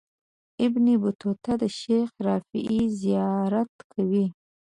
ابن بطوطه د شیخ رفاعي زیارت کوي.